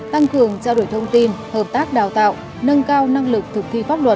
tăng cường trao đổi thông tin hợp tác đào tạo nâng cao năng lực thực thi pháp luật